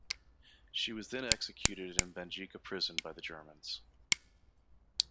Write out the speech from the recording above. She was then executed in Banjica prison by the Germans.